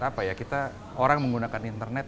apa ya kita orang menggunakan internet